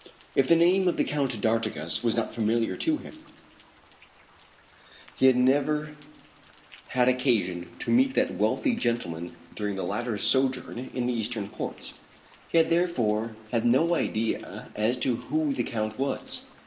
If the name of the Count d'Artigas was not unfamiliar to him, he had never had occasion to meet that wealthy gentleman during the latter's sojourn in the eastern ports. He therefore had no idea as to who the Count was.